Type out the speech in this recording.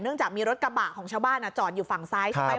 จากมีรถกระบะของชาวบ้านจอดอยู่ฝั่งซ้ายใช่ไหม